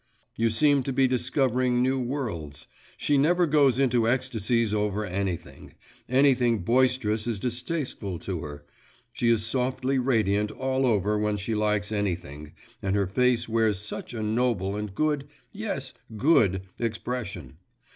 You seem to be discovering new worlds. She never goes into ecstasies over anything; anything boisterous is distasteful to her; she is softly radiant all over when she likes anything, and her face wears such a noble and good yes, good expression.